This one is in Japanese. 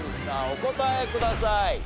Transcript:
お答えください。